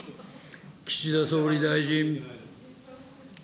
岸田総理大臣。